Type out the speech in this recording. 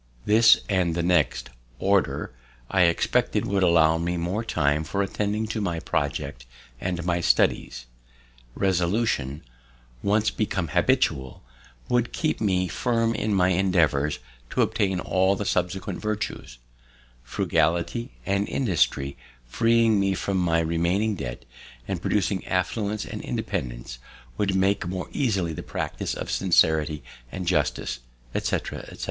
This and the next, Order, I expected would allow me more time for attending to my project and my studies. Resolution, once become habitual, would keep me firm in my endeavours to obtain all the subsequent virtues; Frugality and Industry freeing me from my remaining debt, and producing affluence and independence, would make more easy the practice of Sincerity and Justice, etc., etc.